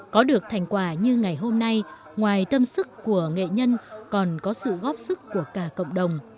có được thành quả như ngày hôm nay ngoài tâm sức của nghệ nhân còn có sự góp sức của cả cộng đồng